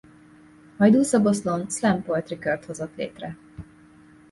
Hajdúszoboszlón slam poetry kört hozott létre.